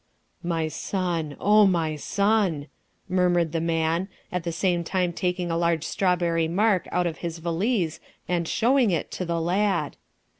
"My son! oh, my son!" murmured the man, at the same time taking a large strawberry mark out of his valise and showing it to the lad.